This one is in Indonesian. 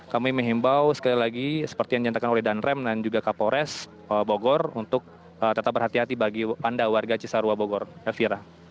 kami menghimbau sekali lagi seperti yang nyatakan oleh danrem dan juga kapolres bogor untuk tetap berhati hati bagi anda warga cisarua bogor elvira